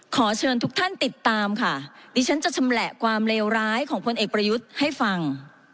ขอเชิญทุกท่านติดตามค่ะดิฉันจะชำแหละความเลวร้ายของพลเอกประยุทธ์ให้ฟัง